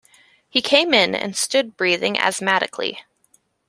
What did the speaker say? He came in and stood breathing asthmatically.